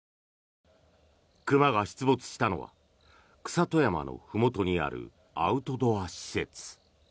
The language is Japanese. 熊が出没したのは草戸山のふもとにあるアウトドア施設。